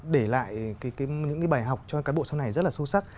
để lại những cái bài học cho cán bộ sau này rất là sâu sắc